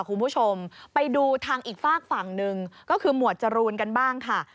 คุณผู้ชมไปดูทางอีกฝากฝั่งหนึ่งก็คือหมวดจรูนกันบ้างค่ะ